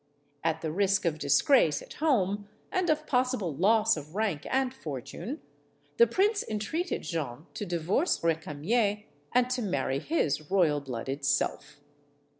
At the risk of disgrace at home and of possible loss of rank and fortune, the prince MADAME RECAMIER 241 entreated Jeanne to divorce Recamier and to marry his royal blooded self.